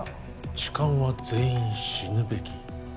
「痴漢は全員死ぬべき」